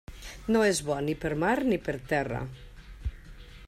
No és bo ni per mar ni per terra.